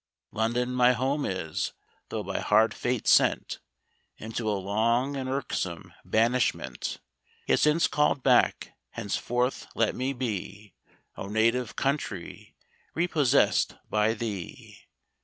London my home is; though by hard fate sent Into a long and irksome banishment; Yet since call'd back, henceforward let me be, O native country, repossess'd by thee!